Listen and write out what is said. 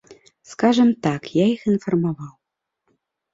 Скажам так, я іх інфармаваў.